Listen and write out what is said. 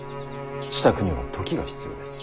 支度には時が必要です。